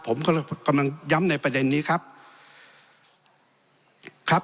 ผมกำลังย้ำในประเด็นนี้ครับครับ